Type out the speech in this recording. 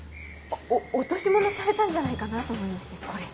落とし物されたんじゃないかなと思いましてこれ。